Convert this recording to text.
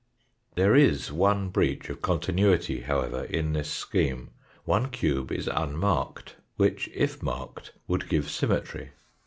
There is one breach of continuity however in this scheme. One cube is Fig. 57. unmarked, which if marked would give symmetry.